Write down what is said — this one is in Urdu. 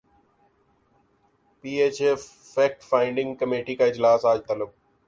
پی H F fact finding committee کا اجلاس اج طلب